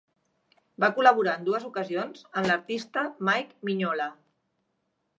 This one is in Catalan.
Va col·laborar en dues ocasions amb l"artista Mike Mignola.